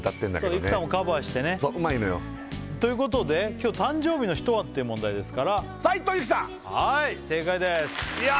そう生田もカバーしてねそううまいのよということで今日誕生日の人は？っていう問題ですから斉藤由貴さんはい正解ですいや